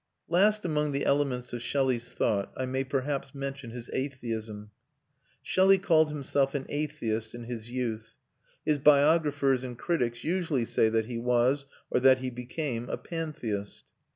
Last among the elements of Shelley's thought I may perhaps mention his atheism. Shelley called himself an atheist in his youth; his biographers and critics usually say that he was, or that he became, a pantheist.